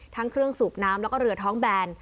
ทั้งเครื่องสูบน้ำแล้วก็เรือท้องแบน